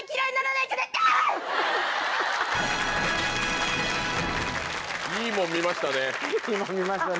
いいもの見ましたね。